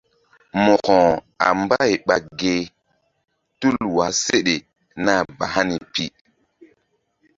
Mo̧ko a mbay ɓa ge tul wah seɗe nah ba hani pi.